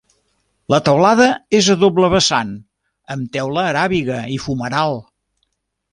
La teulada és a doble vessant amb teula aràbiga i fumeral.